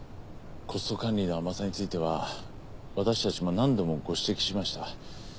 コスト管理の甘さについては私たちも何度もご指摘しました。